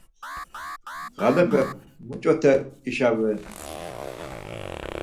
Ğalepe muç̌ote işaven?